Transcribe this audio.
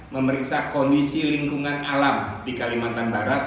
memeriksa kondisi lingkungan alam di kalimantan barat